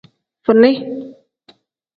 Fini.